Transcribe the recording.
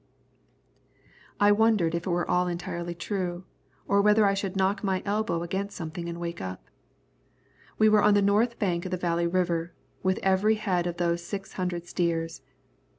I wondered if it were all entirely true, or whether I should knock my elbow against something and wake up. We were on the north bank of the Valley River, with every head of those six hundred steers.